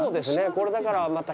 これだからまた。